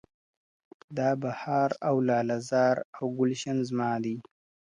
دا بهار، او لاله زار، او ګلشن زما دی.